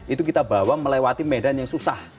itu kita bawa melewati medan yang susah